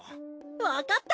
わかった！